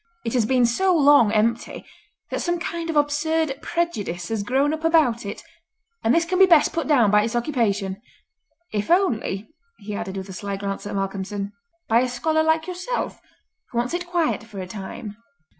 It has been so long empty that some kind of absurd prejudice has grown up about it, and this can be best put down by its occupation—if only," he added with a sly glance at Malcolmson, "by a scholar like yourself, who wants its quiet for a time."